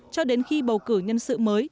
cho đến khi bầu cử nhân sự mới